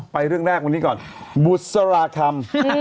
เรื่องแรกวันนี้ก่อนบุษราคำ